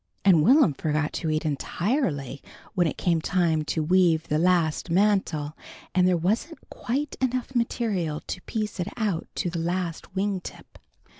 And Will'm forgot to eat entirely, when it came to the time of weaving the last mantle, and there wasn't quite enough material to piece it out to the last wing tip.